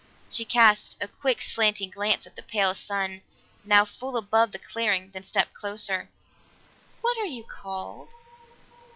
She cast a quick slanting glance at the pale sun now full above the clearing, then stepped closer. "What are you called?"